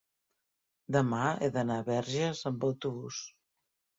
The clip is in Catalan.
demà he d'anar a Verges amb autobús.